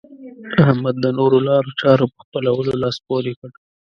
احمد د نورو لارو چارو په خپلولو لاس پورې کړ.